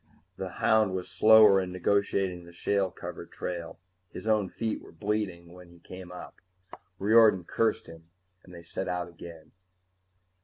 _ The hound was slower in negotiating the shale covered trail; his own feet were bleeding when he came up. Riordan cursed him and they set out again.